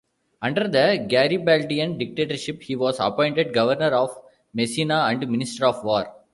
Under the Garibaldian Dictatorship he was appointed governor of Messina and minister of war.